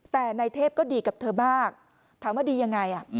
แต่นายเทพก็ดีกับเธอมากถามว่าดียังไง